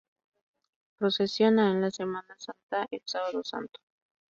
Procesiona en la Semana Santa el Sábado Santo.